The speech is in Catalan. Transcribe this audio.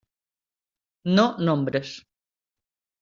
No nombres.